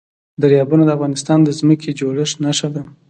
دریابونه د افغانستان د ځمکې د جوړښت نښه ده.